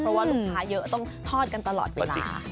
เพราะว่าลูกค้าเยอะต้องทอดกันตลอดเวลา